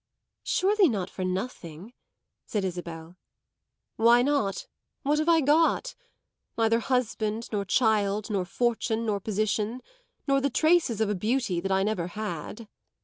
"Surely not for nothing," said Isabel. "Why not what have I got? Neither husband, nor child, nor fortune, nor position, nor the traces of a beauty that I never had."